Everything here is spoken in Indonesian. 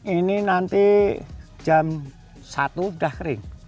ini nanti jam satu sudah kering